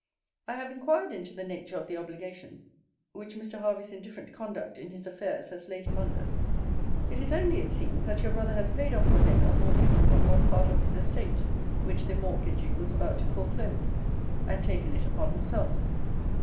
I have inquired into the nature of the obligation which Mr. Hervey's indifferent conduct in his affairs has laid him under it is only, it seems, that your brother has paid off for him a mortgage upon one part of his estate, which the mortgagee was about to foreclose; and taken it upon himself.